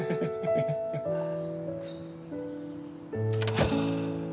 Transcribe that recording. はあ。